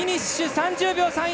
３０秒３１！